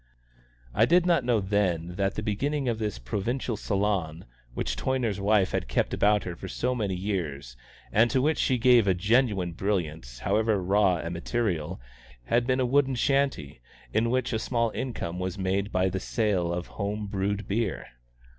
I did not know then that the beginning of this provincial salon, which Toyner's wife had kept about her for so many years, and to which she gave a genuine brilliance, however raw the material, had been a wooden shanty, in which a small income was made by the sale of home brewed beer.